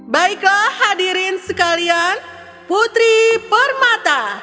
baiklah hadirin sekalian putri permata